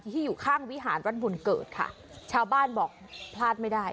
ที่อยู่ข้างวิหารวัดบุญเกิดค่ะชาวบ้านบอกพลาดไม่ได้